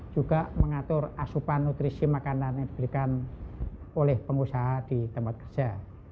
juga mengatur asupan nutrisi makanan yang diberikan oleh pengusaha di tempat kerja